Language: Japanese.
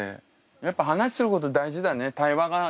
やっぱ話すること大事だね対話が必要だから。